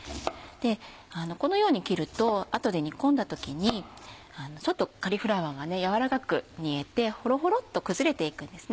このように切ると後で煮込んだ時にちょっとカリフラワーが軟らかく煮えてホロホロっと崩れていくんですね。